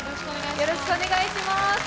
よろしくお願いします。